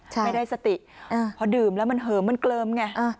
ไม่ได้สติพอดื่มแล้วมันเหิมมันเกลิมไง